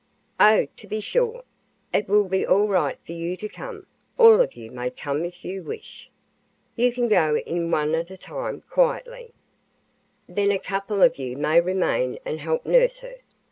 "Oh, to be sure it will be all right for you to come all of you may come if you wish. You can go in one at a time, quietly. Then a couple of you may remain and help nurse her.